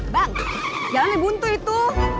bang jangan dibuntu itu